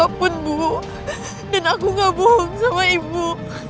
aku gak ada salah apa dan aku gak bohong sama ibu